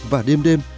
và đêm đêm